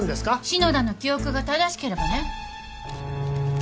篠田の記憶が正しければね。